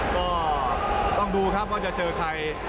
ก็ต้องดูครับว่าจะเจอใคร